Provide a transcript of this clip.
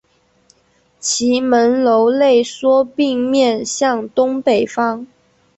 其门楼内缩并面向东北方。